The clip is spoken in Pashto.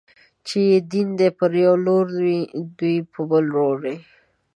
چې يې دين دی، پر يو لور دوی پر بل لوري